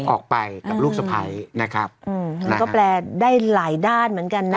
ออกไปกับลูกสะพ้ายนะครับอืมมันก็แปลได้หลายด้านเหมือนกันนะ